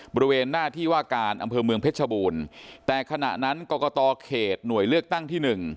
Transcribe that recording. บริเวณหน้าที่ว่าการอำเภอเมืองเพชรชบูรณ์แต่ขณะนั้นกรกตเขตหน่วยเลือกตั้งที่หนึ่ง